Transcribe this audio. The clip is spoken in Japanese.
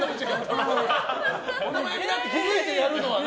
小野真弓だって気づいてやるのはね。